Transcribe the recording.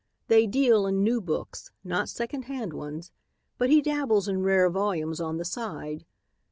They deal in new books, not secondhand ones, but he dabbles in rare volumes on the side.